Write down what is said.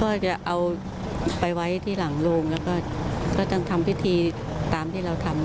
ก็จะเอาไปไว้ที่หลังโรงแล้วก็ต้องทำพิธีตามที่เราทำ